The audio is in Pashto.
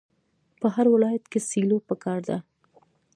په هر ولایت کې سیلو پکار ده.